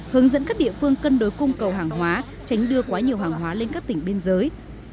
hướng dẫn các địa phương cân đối cung cầu hàng hóa tránh đưa quá nhiều hàng hóa lên các tỉnh biên giới